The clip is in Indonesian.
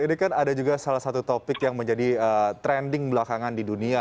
ini kan ada juga salah satu topik yang menjadi trending belakangan di dunia